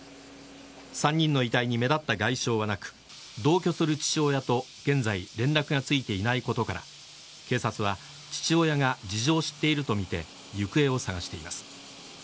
３人の遺体に目立った外傷はなく同居する父親と、現在連絡がついていないことから警察は父親が事情を知っているとみて行方を捜しています。